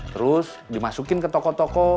terus dimasukin ke toko toko